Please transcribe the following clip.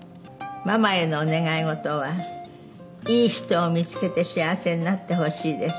「“ママへのお願い事はいい人を見付けて幸せになってほしいです”」